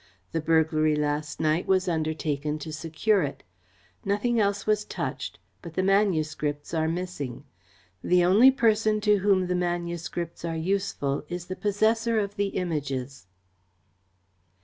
The burglary last night was undertaken to secure it. Nothing else was touched, but the manuscripts are missing. The only person to whom the manuscripts are useful is the possessor of the Images."